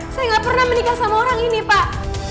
saya nggak pernah menikah sama orang ini pak